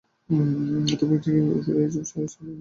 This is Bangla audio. তবে অধিকাংশ ক্ষেত্রে এই ছোপ এর সারি অনুপস্থিত থাকে।